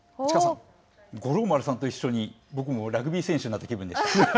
五郎丸さんと一緒に僕もラグビー選手になった気分でした。